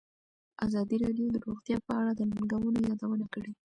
ازادي راډیو د روغتیا په اړه د ننګونو یادونه کړې.